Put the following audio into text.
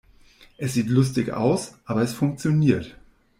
Es sieht lustig aus, aber es funktioniert.